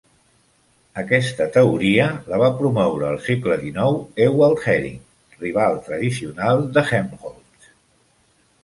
Aquesta teoria la va promoure el segle dinou Ewald Hering, rival tradicional de Helmholtz.